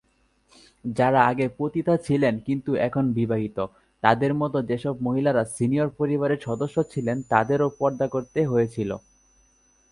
যারা আগে পতিতা ছিলেন কিন্তু এখন বিবাহিত তাদের মতো যেসব মহিলারা "সিনিয়র" পরিবারের সদস্য ছিলেন তাদেরও পর্দা করতে হয়েছিল।